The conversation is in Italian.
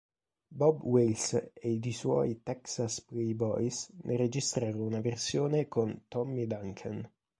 Bob Wills ed i suoi Texas Playboys ne registrarono una versione con Tommy Duncan.